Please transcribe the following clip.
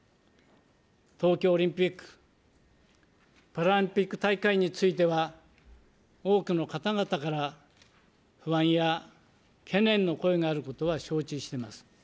東京オリンピック・パラリンピック大会については、、多くの方々から不安や懸念の声があることは承知してます。